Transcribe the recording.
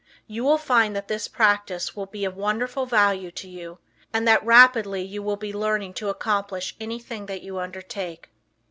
You will find that this practice will be of wonderful value to you, and that rapidly you will be learning to accomplish anything that you undertake.